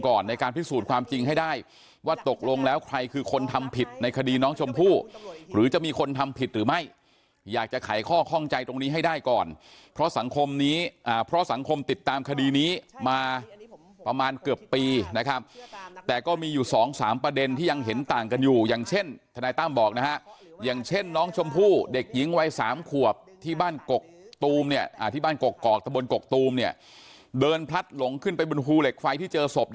ก็ข้องใจตรงนี้ให้ได้ก่อนเพราะสังคมนี้อ่าเพราะสังคมติดตามคดีนี้มาประมาณเกือบปีนะครับแต่ก็มีอยู่สองสามประเด็นที่ยังเห็นต่างกันอยู่อย่างเช่นทนายตั้มบอกนะฮะอย่างเช่นน้องชมพู่เด็กหญิงวัยสามขวบที่บ้านกกตูมเนี้ยอ่าที่บ้านกกกอกแต่บนกกตูมเนี้ยเดินพลัดหลงขึ้นไปบนภูเหล็กไฟที่เจอ